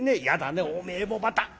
「やだねおめえもまた。